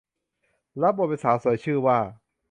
รับบทเป็นสาวสวยชื่อว่า